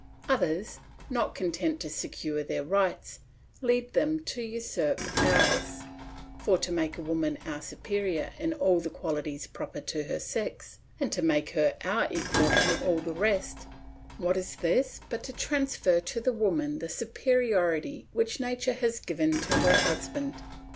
Others, not content to secure their rights, lead them to usurp ours; for to make woman our superior in all the qualities proper to her sex, and to make her our equal in all the rest, what is this but to transfer to the woman the superiority which nature has given to her husband?